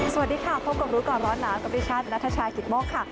สวัสดีค่ะพบกับรู้ก่อนร้อนน้ำกับพิชาตินัทชายขีดมกค่ะ